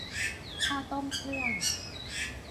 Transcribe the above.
ข้าวต้มเครื่อง